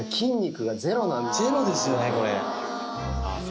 ゼロですよねこれ。